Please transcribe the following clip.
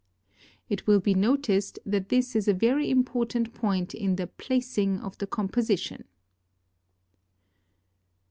It will be noticed that this is a very important point in the "placing" of the composition.